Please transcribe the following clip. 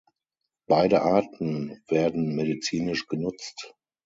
Beide Arten werden medizinisch genutzt.